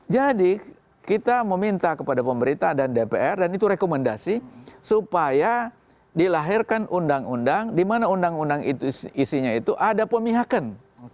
jadi kita meminta kepada pemerintah dan dpr dan itu rekomendasi supaya dilahirkan undang undang di mana undang undang itu isinya itu ada pemihakan